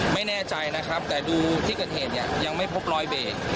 ไม่แน่ใจนะครับแต่ดูที่เกิดเหตุเนี่ยยังไม่พบรอยเบรก